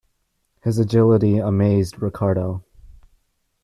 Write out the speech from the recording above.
His agility amazed Ricardo.